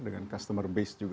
dengan customer base juga